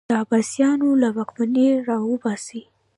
د عباسیانو له واکمني راوباسي